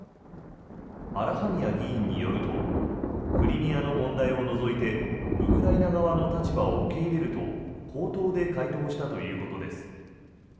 アラハミア議員によるとクリミアの問題を除いてウクライナ側の立場を受け入れると口頭で回答したということです。